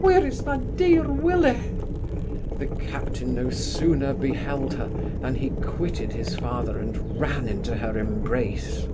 where is my dear Willy?' The captain no sooner beheld her, than he quitted his father, and ran into her embrace.